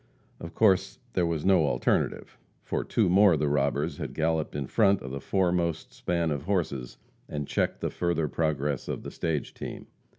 Of course there was no alternative, for two more of the robbers had galloped in front of the foremost span of horses and checked the further progress of the stage team.